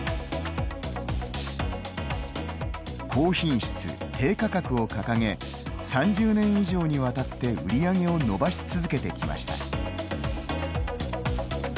高品質・低価格を掲げ３０年以上にわたって売り上げを伸ばし続けてきました。